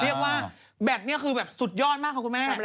เรียกว่าแบตเนี่ยคือแบบสุดยอดมากค่ะคุณแม่